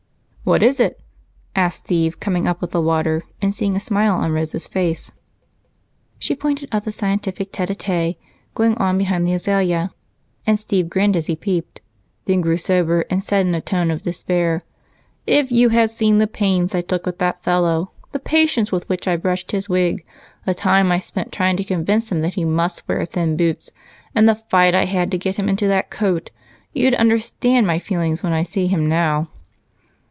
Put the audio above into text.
"What is it?" asked Steve, coming up with the water and seeing a smile on Rose's face. She pointed out the scientific tete a tete going on behind the azalea, and Steve grinned as he peeped, then grew sober and said in a tone of despair: "If you had seen the pains I took with that fellow, the patience with which I brushed his wig, the time I spent trying to convince him that he must wear thin boots, and the fight I had to get him into that coat, you'd understand my feelings when I see him now."